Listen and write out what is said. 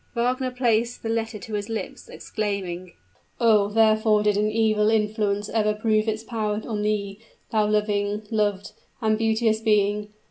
Wagner placed the letter to his lips, exclaiming, "Oh, wherefore did an evil influence ever prove its power on thee, thou loving, loved, and beauteous being.